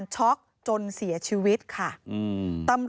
พ่อพูดว่าพ่อพูดว่าพ่อพูดว่า